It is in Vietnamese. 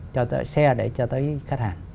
cho xe để cho tới khách hàng